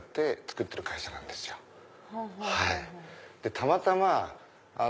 たまたま。